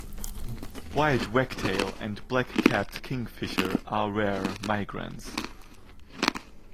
White wagtail and black-capped kingfisher are rare migrants.